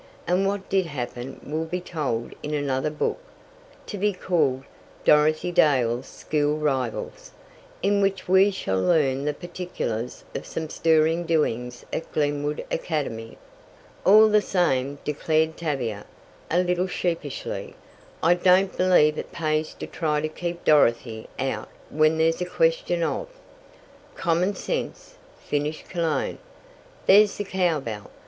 And what did happen will be told in another book, to be called, "Dorothy Dale's School Rivals," in which we shall learn the particulars of some stirring doings at Glenwood Academy. "All the same," declared Tavia, a little sheepishly, "I don't believe it pays to try to keep Dorothy out when there's a question of " "Common sense," finished Cologne. "There's the cowbell.